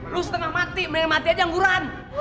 lo setengah mati main mati aja ngguran